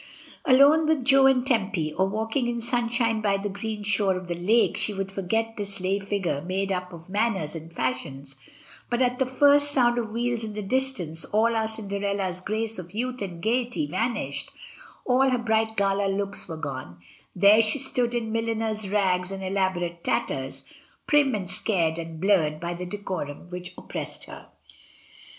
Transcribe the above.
Alone with Jo and Tempy, or walking in sunshine by the green shore of the lake, she would forget this lay figiu e made up of manners and fashions, but at the first sound of wheels in the distance all our Cinderella's grace of youth and gaiety vanished, all her bright gala looks were gone; there she stood in milliner's rags and elaborate tatters, prim and scared and blurred by the decorum which oppressed her.